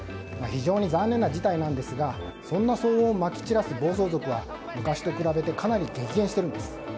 非常に残念な事態ですがそんな騒音をまき散らす暴走族は昔と比べてかなり激減しているんです。